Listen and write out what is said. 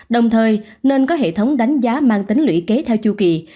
đồng thời nên có hệ thống đánh giá mang tính lũy kế theo chu kỳ